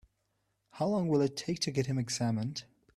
How long will it take to get him examined?